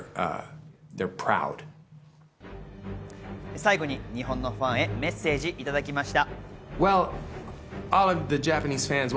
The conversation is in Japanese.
最後に日本のファンへメッセージ、いただきました。